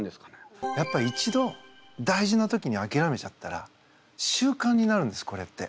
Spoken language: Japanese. やっぱ一度大事な時にあきらめちゃったら習慣になるんですこれって。